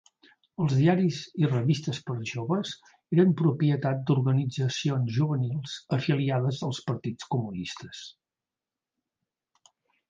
Els diaris i revistes per joves eren propietat d'organitzacions juvenils afiliades als partits comunistes.